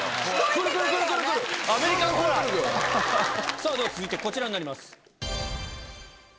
さぁでは続いてこちらになります。